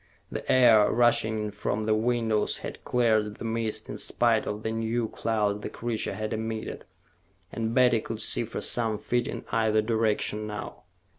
The air, rushing in from the windows, had cleared the mist, in spite of the new clouds the creature had emitted, and Betty could see for some feet in either direction now.